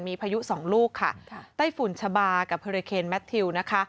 มีพายุสองลูกค่ะไต้ฝุ่นชะบากับเฮอริเคนแมททิวนะคะ